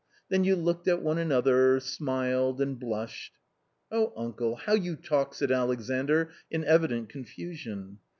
Then you looked at one another, smiled and blushed." " Oh, uncle, how you talk !" said Alexandr in evident confusion.